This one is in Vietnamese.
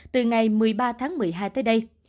từ ngày một mươi ba tháng một mươi hai tới đây